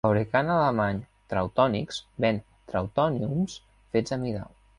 El fabricant alemany Trauntoniks ven Trautòniums fets a mida.